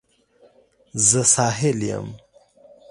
زه ساحل یم